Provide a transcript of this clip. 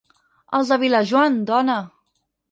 Els de Vilajoan, dona!